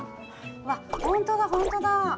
わっ本当だ本当だ。